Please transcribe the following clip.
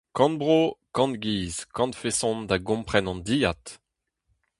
Kant bro, kant giz, kant feson da gompren an dilhad !